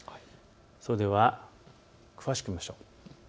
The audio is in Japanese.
それでは詳しく見ましょう。